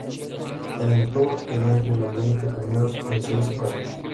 En el Tour, quedó entre los veinte primeros en seis ocasiones.